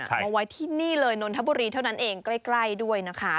มาไว้ที่นี่เลยนนทบุรีเท่านั้นเองใกล้ด้วยนะคะ